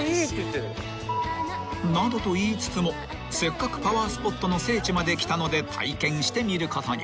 ［などと言いつつもせっかくパワースポットの聖地まで来たので体験してみることに］